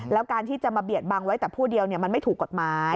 แล้วการที่จะมาเบียดบังไว้แต่ผู้เดียวมันไม่ถูกกฎหมาย